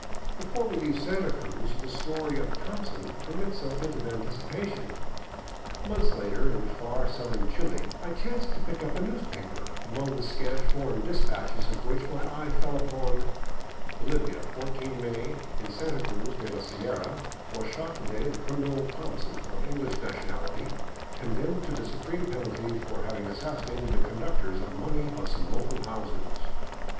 Before we leave Santa Cruz, the story of " Thompson " permits a bit of anticipation. Months later, in far southern Chile, I chanced to pick up a newspaper, among the scant foreign despatches of which my eye fell upon: *' Bolivia, 14 May — In Santa Cruz de la Sierra was shot to day the criminal * Thompson,* of English nationality, condemned to the supreme penalty for 'having assassinated the conductors of money of some local houses."